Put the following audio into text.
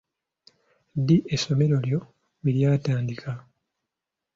Ddi essomero lyo we ly'atandika?